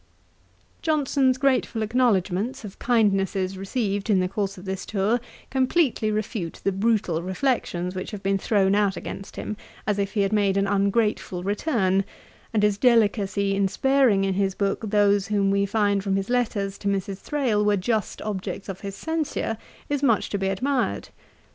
Johnson's grateful acknowledgements of kindnesses received in the course of this tour, completely refute the brutal reflections which have been thrown out against him, as if he had made an ungrateful return; and his delicacy in sparing in his book those who we find from his letters to Mrs. Thrale were just objects of censure, is much to be admired.